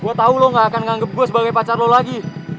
gue tau lo gak akan menganggap gue sebagai pacar lo lagi